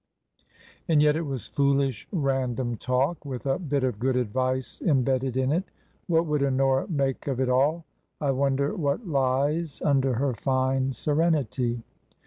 And yet it was foolish, random talk — with a bit of good advice embedded in it What would Honora make of it all ? I wonder what lies under her fine serenity.